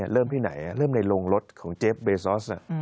เริ่มที่ไหนเริ่มในโรงรถของเจฟเบซอส